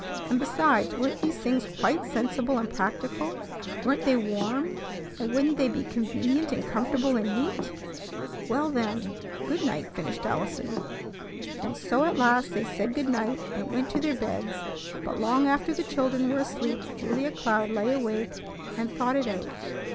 And, besides, weren't these things quite sensible and practical? Weren't they warm, and wouldn't they be convenient and comfortable and neat? Well, then, "Good night," finished Allison. And so at last they said "Good night," and went to their beds; but long after the children were asleep Julia Cloud lay awake and thought it out.